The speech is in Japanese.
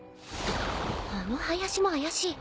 あの林も怪しい。